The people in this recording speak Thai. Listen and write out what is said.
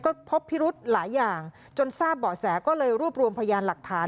ก็พบพิรุธหลายอย่างจนทราบเบาะแสก็เลยรวบรวมพยานหลักฐาน